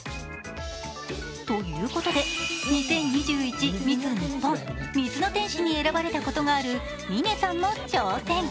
ということで、２０２１ミス日本・水の天使に選ばれたことがある嶺さんも挑戦。